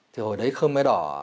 thì hồi đấy khơm mê đỏ